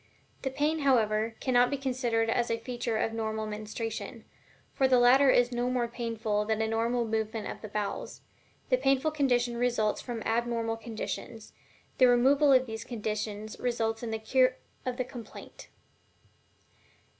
The pain, however, cannot be considered as a feature of normal menstruation, for the latter is no more painful than a normal movement of the bowels the painful condition results from abnormal conditions, the removal of these conditions resulting in the cure of the complaint.